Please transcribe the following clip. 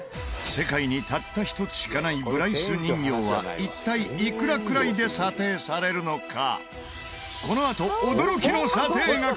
世界にたった一つしかないブライス人形は一体いくらくらいで査定されるのか？